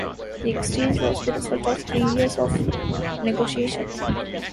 The exchange was the result of three years of negotiation.